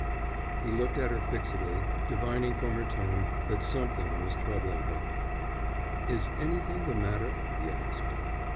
He looked at her fixedly, divining from her tone that something was troubling her. "Is anything the matter?" he asked.